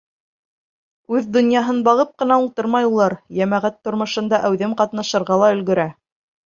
Үҙ донъяһын бағып ҡына ултырмай улар, йәмәғәт тормошонда әүҙем ҡатнашырға ла өлгөрә.